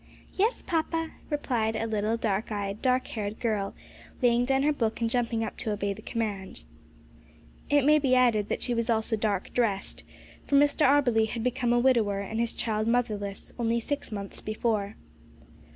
"Yes, papa," replied a little dark eyed, dark haired girl, laying down her book and jumping up to obey the command. It may be added that she was also dark dressed, for Mr Auberly had become a widower and his child motherless only six months before.